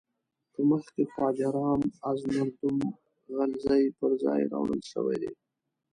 په مخ کې خواجه رام از مردم غلزی پر ځای راوړل شوی دی.